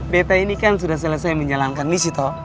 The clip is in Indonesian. beta ini kan sudah selesai menjalankan misi toh